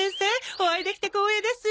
お会いできて光栄です！